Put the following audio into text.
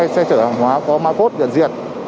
hai xe chở hàng hóa có mapốt nhận diện